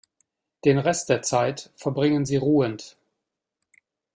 Den Rest der Zeit verbringen sie ruhend.